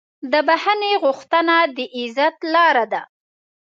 د بښنې غوښتنه د عزت لاره ده.